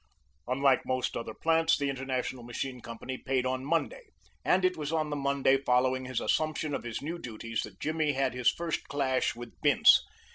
Unlike most other plants the International Machine Company paid on Monday, and it was on the Monday following his assumption of his new duties that Jimmy had his first clash with Bince.